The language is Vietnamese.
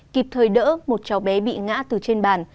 kịp thời đỡ một cháu bé bị ngã từ trên bàn